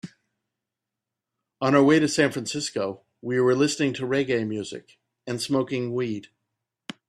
On our way to San Francisco, we were listening to reggae music and smoking weed.